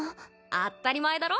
当ったり前だろ。